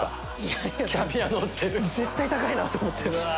絶対高いなと思って。